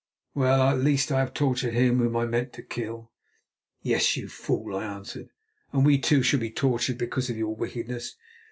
Well, at least I have tortured him whom I meant to kill." "Yes, you fool," I answered; "and we, too, shall be tortured because of your wickedness.